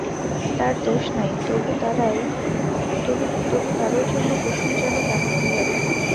তার দোষ নাই, তবু তারই জন্য কুসুম যেন কেমন হইয়া গেল।